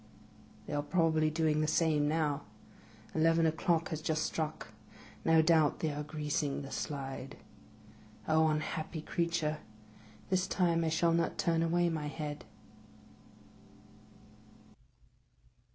' They are probably doing the same now. Eleven o'clock has just struck. No doubt they are greasing the slide. Oh, unhappy creature! this time I shall not turn away my head.